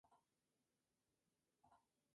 Fue una de las fundadoras de la banda Oh Pep!